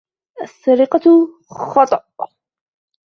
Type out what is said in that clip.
السرقة خطأ.